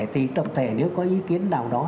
thì tập thể nếu có ý kiến nào đó